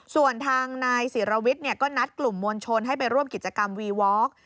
ส่วนทางนายศิรวิทย์ก็นัดกลุ่มมวลชนให้ไปร่วมกิจกรรมวีวอล์ก